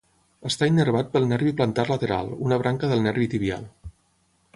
Està innervat pel nervi plantar lateral, una branca del nervi tibial.